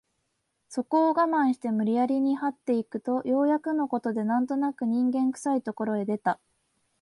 そこを我慢して無理やりに這って行くとようやくの事で何となく人間臭い所へ出た